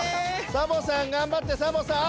サボさんがんばってサボさん。